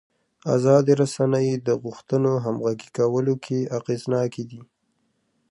ازادې رسنۍ د غوښتنو همغږي کولو کې اغېزناکې دي.